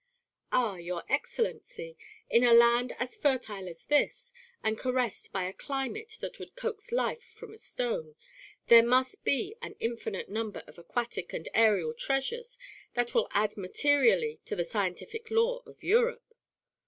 "Ah, your excellency, in a land as fertile as this, and caressed by a climate that would coax life from a stone, there must be an infinite number of aquatic and aerial treasures that will add materially to the scientific lore of Europe."